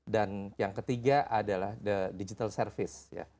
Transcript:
dan yang ketiga adalah digital service